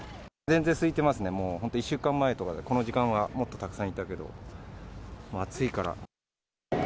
全然すいてますね、もう本当、１週間前とか、この時間はもっとたくさんいたけど、もう暑いから。